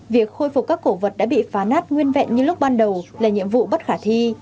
việc khôi phục các cổ vật đã bị phá nát nguyên vẹn như lúc ban đầu là nhiệm vụ bất khả thi